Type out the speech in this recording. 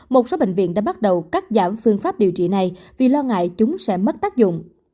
một số bệnh viện đã bắt đầu cắt giảm phương pháp điều trị này vì lo ngại chúng sẽ mất tác dụng